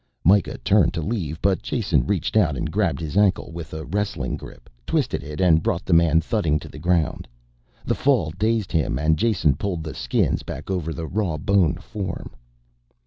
Mikah turned to leave but Jason reached out and grabbed his ankle with a wrestling grip, twisted it and brought the man thudding to the ground. The fall dazed him and Jason pulled the skins back over the raw boned form.